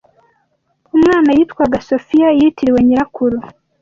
Umwana yitwaga Sophia yitiriwe nyirakuru.